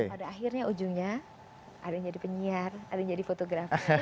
pada akhirnya ujungnya ada yang jadi penyiar ada yang jadi fotografi